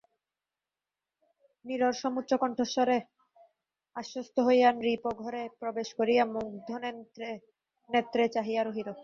নীরর সমুচ্চ কণ্ঠস্বরে আশ্বস্ত হইয়া নৃপও ঘরে প্রবেশ করিয়া মুগ্ধনেত্রে চাহিয়া রহিল।